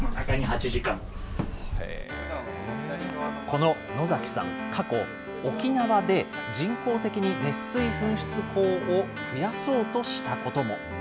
この野崎さん、過去、沖縄で人工的に熱水噴出孔を増やそうとしたことも。